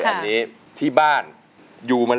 สวัสดีครับคุณหน่อย